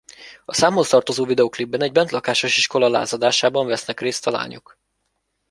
A számhoz tartozó videóklipben egy bentlakásos iskola lázadásában vesznek részt a lányok.